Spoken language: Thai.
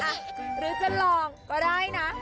อ่ะหรือก็ลองก็ได้นะ